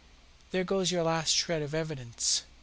There goes your last shred of evidence.